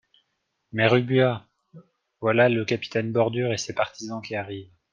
Mère Ubu Ah ! voilà le capitaine Bordure et ses partisans qui arrivent.